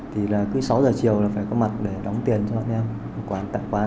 thì là cứ sáu giờ chiều là phải có mặt để đóng tiền cho bọn em quán tạm quán